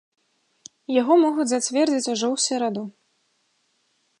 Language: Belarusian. Яго могуць зацвердзіць ужо ў сераду.